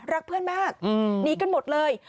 รักเพื่อนมากหนีกันหมดเลย